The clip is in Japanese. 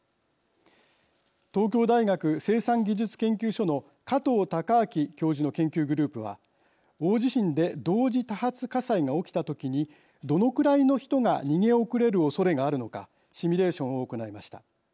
東京大学生産技術研究所の加藤孝明教授の研究グループは大地震で同時多発火災が起きた時にどのくらいの人が逃げ遅れるおそれがあるのかシミュレーションを行いました。